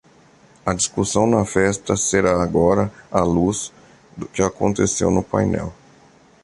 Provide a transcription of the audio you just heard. A discussão na festa será agora à luz do que aconteceu no painel.